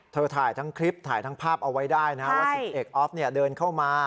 ถ่ายทั้งคลิปถ่ายทั้งภาพเอาไว้ได้นะว่า๑๐เอกออฟเดินเข้ามา